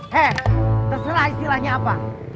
he terserah istilahnya apa